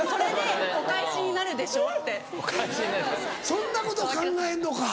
そんなこと考えんのか。